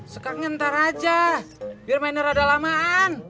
sekarang ntar aja biar mainnya rada lama an